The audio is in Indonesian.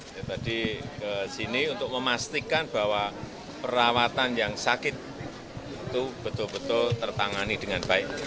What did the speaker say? saya tadi ke sini untuk memastikan bahwa perawatan yang sakit itu betul betul tertangani dengan baik